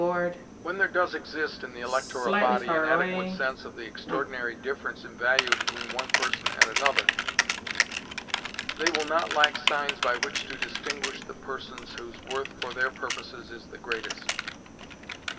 When there does exist in the electoral body an adequate sense of the extraordinary difference in value between one person and another, they will not lack signs by which to distinguish the persons whose worth for their purposes is the greatest.